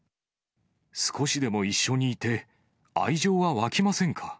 少しでも一緒にいて、愛情は湧きませんか？